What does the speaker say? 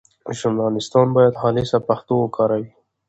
ژورنالیستان باید خالصه پښتو وکاروي.